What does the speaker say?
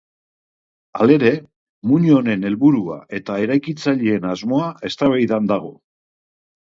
Halere, muino honen helburua eta eraikitzaileen asmoa eztabaidan dago.